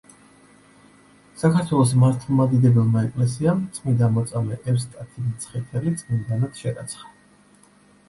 საქართველოს მართლმადიდებელმა ეკლესიამ წმიდა მოწამე ევსტათი მცხეთელი წმინდანად შერაცხა.